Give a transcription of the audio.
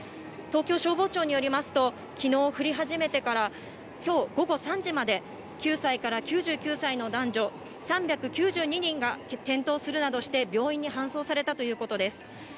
東京消防庁によりますと、きのう降り始めてからきょう午後３時まで、９歳から９９歳の男女３９２人が転倒するなどして病院に搬送されたということです。